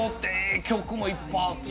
曲もいっぱいあってすごいわ。